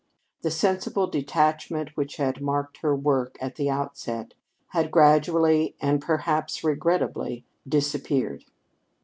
That sensible detachment which had marked her work at the outset had gradually and perhaps regrettably disappeared.